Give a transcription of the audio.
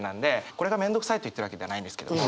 これが面倒くさいと言ってるわけではないんですけども。